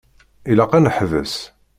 Ilaq ad neḥbes.